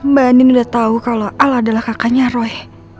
mbak andi sudah tahu kalau al adalah kakaknya roy